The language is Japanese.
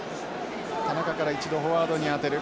田中から一度フォワードに当てる。